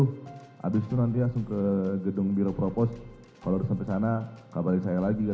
habis itu nanti langsung ke gedung biro propos kalau sampai sana kabarin saya lagi